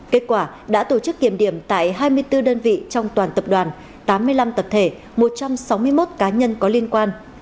kết quả đã tổ chức kiểm điểm tại hai mươi bốn đơn vị trong toàn tập đoàn tám mươi năm tập thể một trăm sáu mươi một cá nhân có liên quan